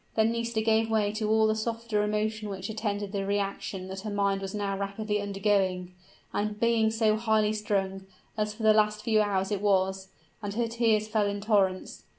Then Nisida gave way to all the softer emotion which attended the reaction that her mind was now rapidly undergoing, after being so highly strung, as for the last few hours it was and her tears fell in torrents.